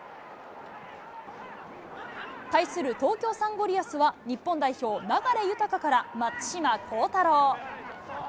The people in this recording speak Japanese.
対する東京サンゴリアスは、日本代表、流大から松島幸太朗。